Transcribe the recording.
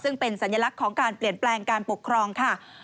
ซึ่งเป็นสัญลักษณ์ของการเปลี่ยนแปลงการปกครองค่ะ